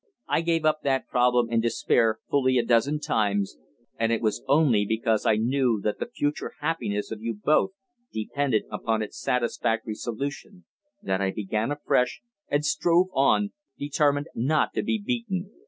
I gave up that problem in despair fully a dozen times, and it was only because I knew that the future happiness of you both depended upon its satisfactory solution that I began afresh and strove on, determined not to be beaten.